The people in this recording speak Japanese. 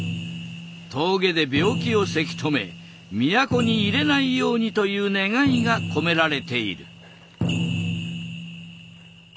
峠で病気をせき止め都に入れないようにという願いが込められている。